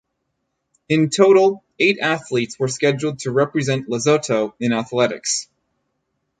In total eight athletes were scheduled to represent Lesotho in athletics.